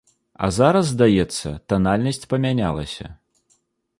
А зараз, здаецца, танальнасць памянялася.